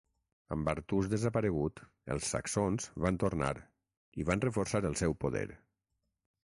Amb Artús desaparegut, els saxons van tornar i van reforçar el seu poder.